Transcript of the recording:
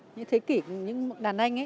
những thế kỷ những đàn anh